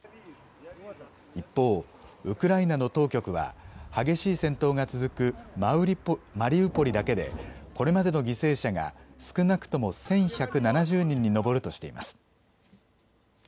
一方、ウクライナの当局は激しい戦闘が続くマリウポリだけでこれまでの犠牲者が少なくとも１１７０人に上るとしています。